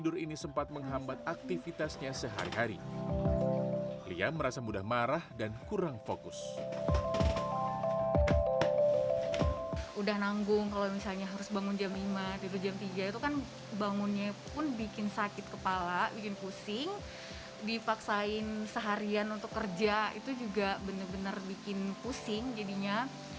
dipaksain seharian untuk kerja itu juga benar benar bikin pusing jadinya